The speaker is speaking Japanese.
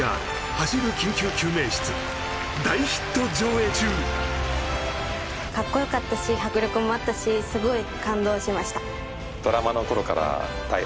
走る緊急救命室」かっこよかったし迫力もあったしすごい感動しました